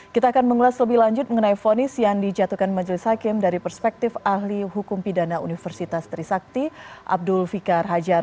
kita akan mengulas lebih lanjut mengenai fonis yang dijatuhkan majelis hakim dari perspektif ahli hukum pidana universitas trisakti abdul fikar hajar